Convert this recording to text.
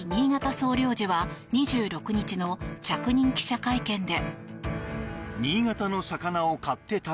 総領事は２６日の着任記者会見で。